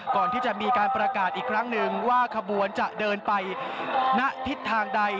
ก่อนที่จะมีการประกาศอีกครั้งหนึ่งว่าขบวนจะเดินไปณทิศทางใด